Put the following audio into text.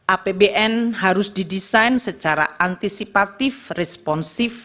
apbn harus didesain secara antisipatif responsif